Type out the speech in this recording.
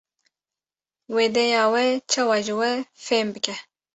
wê dêya we çawa ji we fehm bike